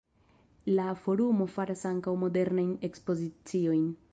La forumo faras ankaŭ modernajn ekspoziciojn.